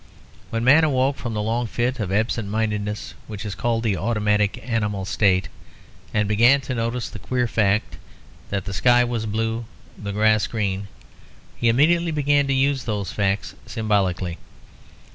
When man awoke from the long fit of absent mindedness which is called the automatic animal state, and began to notice the queer facts that the sky was blue and the grass green, he immediately began to use those facts symbolically.